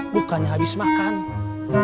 bukannya habis makan